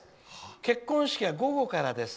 結婚式は午後からです。